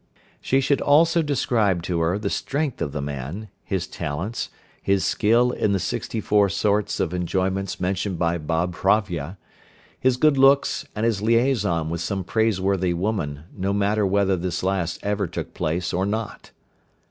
She should also describe to her the strength of the man, his talents, his skill in the sixty four sorts of enjoyments mentioned by Babhravya, his good looks, and his liaison with some praiseworthy woman, no matter whether this last ever took place or not.